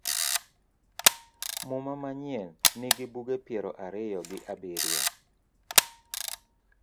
Muma manyien Nigi buge piero ariyo gi abirio